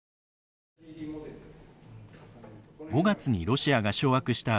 ５月にロシアが掌握した